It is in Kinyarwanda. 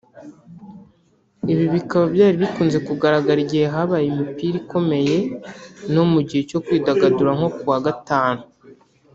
Ibi bikaba byari bikunze kugaragara igihe habaye imipira ikomeye no mu gihe cyo kwidagadura nko kuwa gatanu